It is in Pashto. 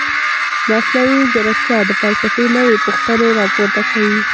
مصنوعي ځیرکتیا د فلسفې نوې پوښتنې راپورته کوي.